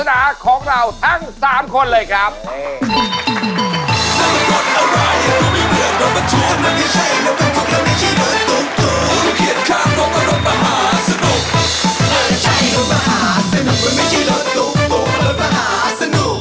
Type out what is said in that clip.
นี่เหล่าบรรดาคนที่เป็นเขาเรียกอะไรนะ